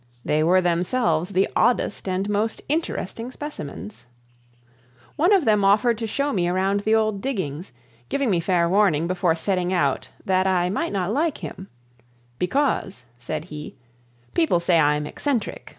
They were themselves the oddest and most interesting specimens. One of them offered to show me around the old diggings, giving me fair warning before setting out that I might not like him, "because," said he, "people say I'm eccentric.